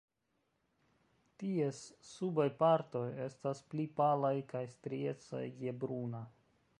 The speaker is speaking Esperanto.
Ties subaj partoj estas pli palaj kaj striecaj je bruna.